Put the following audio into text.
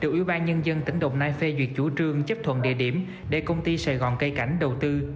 được ủy ban nhân dân tỉnh đồng nai phê duyệt chủ trương chấp thuận địa điểm để công ty sài gòn cây cảnh đầu tư